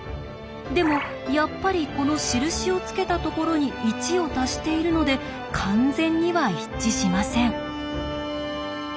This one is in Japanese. でもやっぱりこの印をつけたところに１を足しているので完全には一致しません。